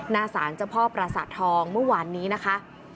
หน้าสารเจ้าพ่อประสาททองเมื่อวานนี้นะคะ